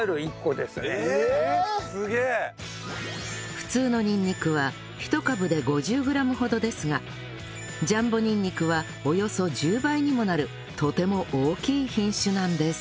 普通のにんにくは１株で５０グラムほどですがジャンボにんにくはおよそ１０倍にもなるとても大きい品種なんです